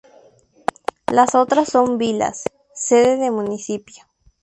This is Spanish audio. Las otras son vilas, sede de municipio.